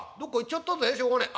しょうがねえ。